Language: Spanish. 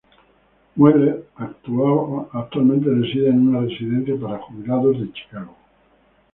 Mueller actualmente reside en una residencia para jubilados en Chicago.